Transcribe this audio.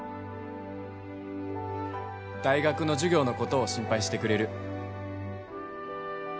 「大学の授業のことを心配してくれる」